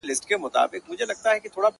• یوه شمع به ختمېږي خو بلېږي به سل نوري -